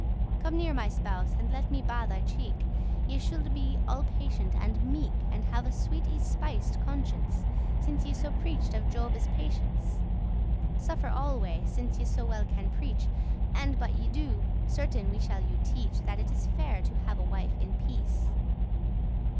Come near, my spouse, and let me ba* thy cheek *kiss <18> Ye shoulde be all patient and meek, And have a *sweet y spiced* conscience, *tender, nice* Since ye so preach of Jobe's patience. Suffer alway, since ye so well can preach, And but* ye do, certain we shall you teach* *unless That it is fair to have a wife in peace.